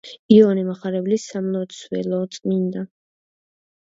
იოანე მახარებლის სამლოცველო“, „წმ.